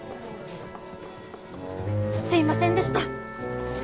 すいませんでした。